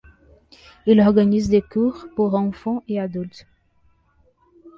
Il organise des cours pour enfants et adultes.